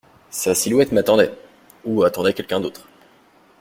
Sa silhouette m’attendait, ou attendait quelqu'un d'autre.